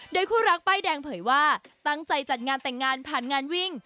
โดยคู่รักป้ายแดงเผยว่าตั้งใจจัดงานแต่งงานผ่านงานวิ่ง